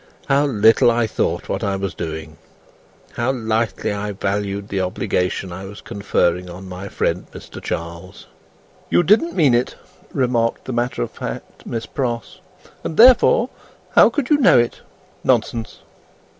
How little I thought what I was doing! How lightly I valued the obligation I was conferring on my friend Mr. Charles!" "You didn't mean it," remarked the matter of fact Miss Pross, "and therefore how could you know it? Nonsense!"